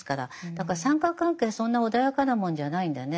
だから三角関係そんな穏やかなもんじゃないんでね